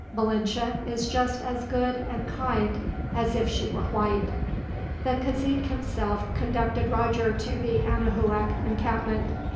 Malinche is just as good and kind as if she were white." The cazique himself conducted Roger to the Anahuac encampment.